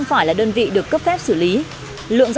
giàu lên từ việc mua bán xử lý pin